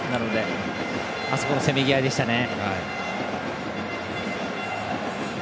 あそこのせめぎ合いでしたね。